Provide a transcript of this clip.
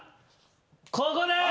ここです。